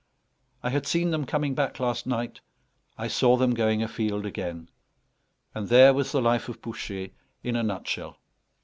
I had seen them coming back last night, I saw them going afield again; and there was the life of Bouchet in a nutshell.